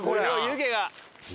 湯気が。